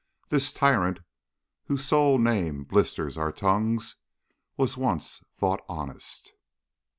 This tyrant, whose sole name blisters our tongues, Was once thought honest.